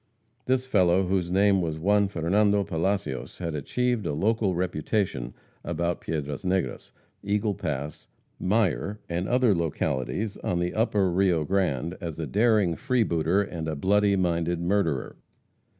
This fellow, whose name was Juan Fernando Palacios, had achieved a local reputation about Piedras Negras, Eagle Pass, Mier, and other localities on the upper Rio Grande, as a daring freebooter and bloody minded murderer.